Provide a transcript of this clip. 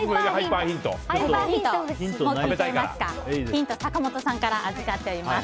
ヒント、坂本さんから預かっております。